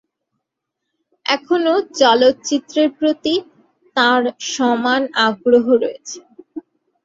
এখনও চলচ্চিত্রের প্রতি তাঁর সমান আগ্রহ রয়েছে।